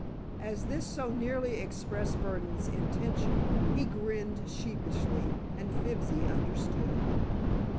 As this so nearly expressed Burdon's intention, he grinned sheepishly, and Fibsy understood.